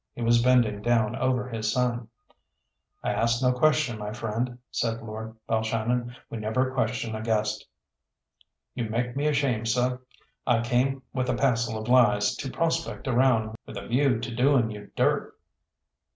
He was bending down over his son. "I asked no question, my friend," said Lord Balshannon, "we never question a guest." "You make me ashamed, seh. I came with a passel of lies, to prospect around with a view to doing you dirt."